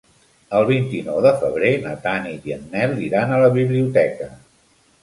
El vint-i-nou de febrer na Tanit i en Nel iran a la biblioteca.